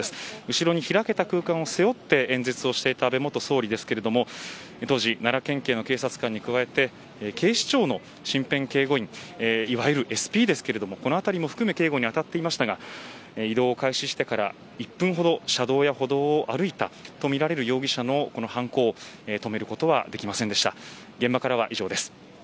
後ろに開けた空間を背負って演説をしていた安倍元総理ですが警察官に加えて警視庁の身辺警護員いわゆるＳＰですがこのあたりも含めて警護に当たっていましたが移動を開始してから１分ほど車道や歩道を歩いたとみられる容疑者の犯行を止めることはできませんでした。